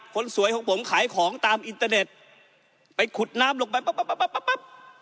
คนสวยของผมขายของตามอินเตอร์เน็ตไปขุดน้ำลงไปปั๊บปั๊บปั๊บ